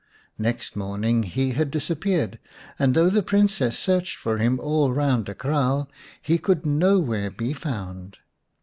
Next morning he had disappeared, and though the Princess searched for him all round the kraal he could nowhere be found.